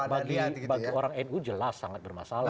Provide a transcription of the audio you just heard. bagi orang nu jelas sangat bermasalah